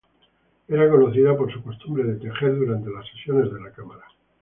Era conocida por su costumbre de tejer durante las sesiones de la Cámara.